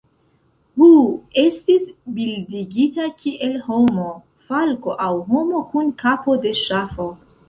Hu estis bildigita kiel homo, falko aŭ homo kun kapo de ŝafo.